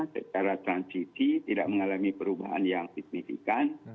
secara transisi tidak mengalami perubahan yang signifikan